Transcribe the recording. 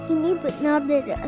ini benar bedanya